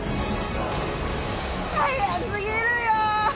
早過ぎるよ。